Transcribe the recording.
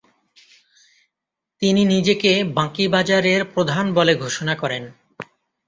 তিনি নিজেকে বাঁকিবাজারের প্রধান বলে ঘোষণা করেন।